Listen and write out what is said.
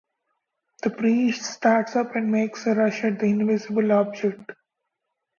The priest starts up and makes a rush at the invisible object.